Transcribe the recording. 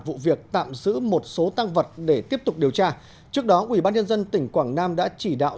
vụ việc tạm giữ một số tăng vật để tiếp tục điều tra trước đó ubnd tỉnh quảng nam đã chỉ đạo